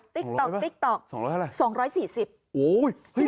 ติ๊กต๊อกติ๊กต๊อก๒๔๐บาท